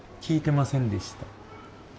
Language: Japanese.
聞いてませんでした。